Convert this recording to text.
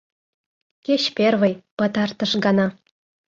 Кеч первый, пытартыш гана.